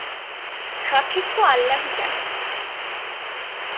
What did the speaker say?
সঠিক ত আল্লাহই জানেন।